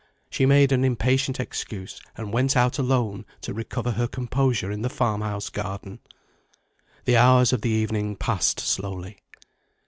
She made an impatient excuse and went out alone to recover her composure in the farm house garden. The hours of the evening passed slowly.